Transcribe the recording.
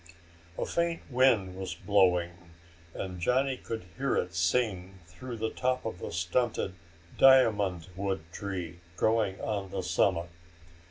A faint wind was blowing, and Johnny could hear it sing through the top of the stunted diamond wood tree growing on the summit.